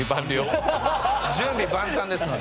準備万端ですので。